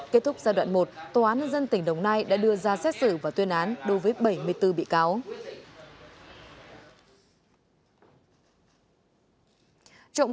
kết thúc giai đoạn một tòa án dân tỉnh đồng nai đã đưa ra xét xử và tuyên án đối với bảy mươi bốn bị cáo